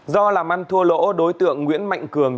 do làm ăn thua lỗ đối tượng nguyễn mạnh cường